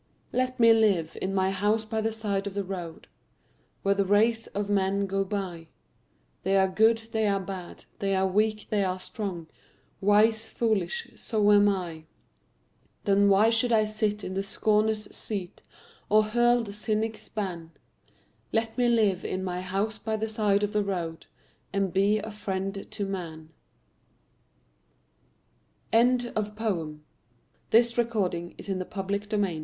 Let me live in my house by the side of the road, Where the race of men go by They are good, they are bad, they are weak, they are strong, Wise, foolish so am I. Then why should I sit in the scorner's seat, Or hurl the cynic's ban? Let me live in my house by the side of the road And be a friend to man. Sam Walter Foss Toil's Sweet Content THE Man of Question